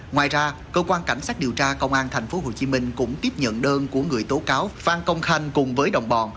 ngoài ra cơ quan cảnh sát điều tra công an tp hcm cũng tiếp nhận đơn của người tố cáo phan công khanh cùng với đồng bọn